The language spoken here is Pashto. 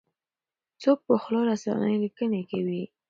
څوک په خواله رسنیو لیکنې کوي؟